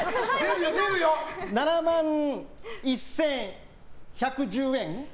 ７万１１１０円。